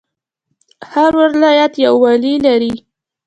هر ولایت یو والی لري